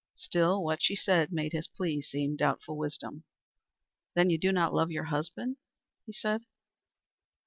Still what she said made his plea seem doubtful wisdom. "Then you do not love your husband?" he said.